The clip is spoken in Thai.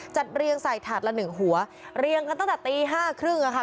เรียงใส่ถาดละหนึ่งหัวเรียงกันตั้งแต่ตีห้าครึ่งอะค่ะ